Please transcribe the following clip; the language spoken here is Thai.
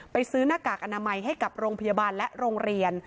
ซื้อหน้ากากอนามัยให้กับโรงพยาบาลและโรงเรียน